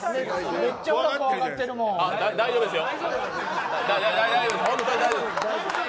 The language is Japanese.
大丈夫ですよ。